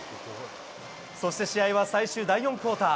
そして試合は最終、第４クオーター。